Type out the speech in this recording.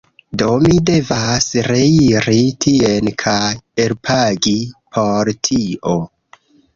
Do, mi devas reiri tien kaj elpagi por tio